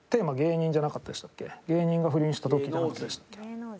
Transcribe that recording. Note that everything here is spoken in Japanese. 「芸人が不倫した時」じゃなかったでしたっけ？